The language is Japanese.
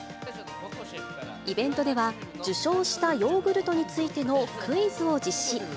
イベントでは、受賞したヨーグルトについてのクイズを実施。